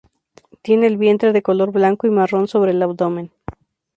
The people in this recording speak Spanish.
Tiene el vientre de color blanco y marrón sobre el abdomen.